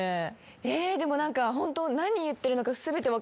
えでも何かホント。